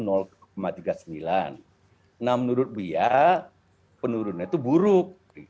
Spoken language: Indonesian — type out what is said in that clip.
nah menurut dia penurunan itu buruk